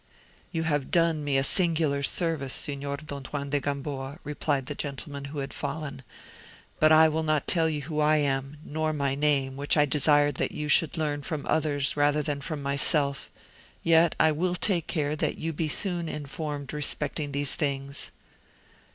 "You have done me a singular service, Signor Don Juan de Gamboa," replied the gentleman who had fallen, "but I will not tell you who I am, nor my name, which I desire that you should learn from others rather than from myself; yet I will take care that you be soon informed respecting these things."